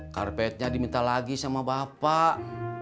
karpetnya diminta lagi sama bapak